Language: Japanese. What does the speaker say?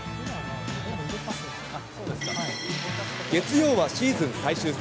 月曜はシーズン最終戦。